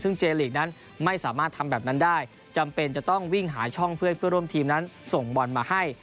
ซึ่งเจลีกนั้นไม่สามารถทำแบบนั้นได้จำเป็นจะต้องวิ่งหาช่องเพื่อให้เพื่อร่วมทีมนั้นส่งบอลมาให้